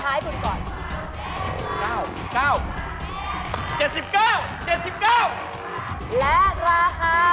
และราคา